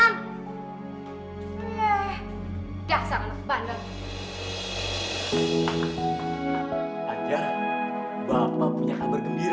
ah panjang banget sih